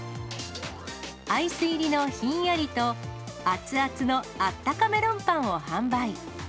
アイス入りのひんやりと、熱々のあったかメロンパンを販売。